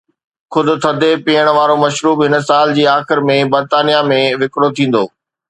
خود ٿڌي پيئڻ وارو مشروب هن سال جي آخر ۾ برطانيه ۾ وڪرو ٿيندو.